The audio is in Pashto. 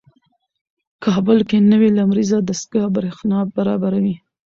کابل کې نوې لمریزه دستګاه برېښنا برابروي.